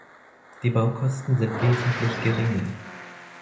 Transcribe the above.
Die Baukosten sind wesentlich geringer.